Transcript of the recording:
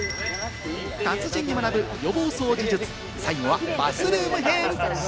達人に学ぶ予防掃除術、最後はバスルーム編。